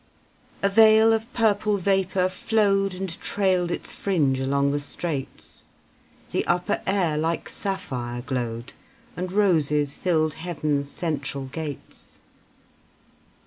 A veil of purple vapour flowed And trailed its fringe along the Straits; The upper air like sapphire glowed: And roses filled Heaven's central gates.